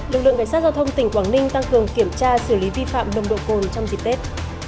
lực lượng cảnh sát giao thông tỉnh quảng ninh tăng cường kiểm tra xử lý vi phạm nồng độ cồn trong dịp tết